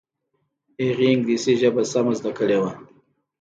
هغې انګلیسي ژبه سمه زده کړې وه